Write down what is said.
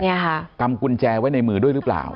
เนี่ยค่ะกำกุญแจไว้ในมือด้วยหรือเปล่า